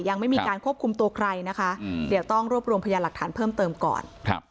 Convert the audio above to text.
ยังไม่มีการควบคุมตัวใครนะคะเดี๋ยวต้องรวบรวมพยานหลักฐานเพิ่มเติมก่อน